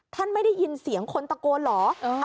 ไม่ได้ยินเสียงคนตะโกนเหรอ